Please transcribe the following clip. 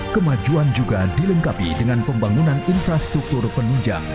kemajuan juga dilengkapi dengan pembangunan infrastruktur penunjang